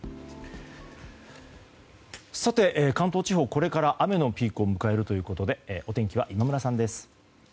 関東地方これから雨のピークを迎えるということでお天気は今村さんです。